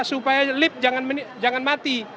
supaya lift jangan mati